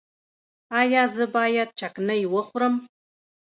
ایا زه باید چکنی وخورم؟